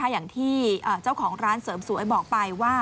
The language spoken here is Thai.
อย่างที่เจ้าของร้านเสริมสวยบอกไปว่า